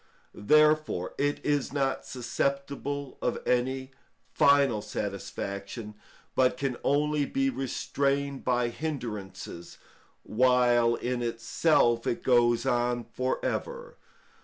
Therefore it is not susceptible of any final satisfaction, but can only be restrained by hindrances, while in itself it goes on for ever.